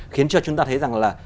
khiến cho chúng ta thấy rằng là